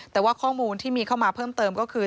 แต่ว่าข้อมูลที่มีเข้ามาเพิ่มเติมก็คือ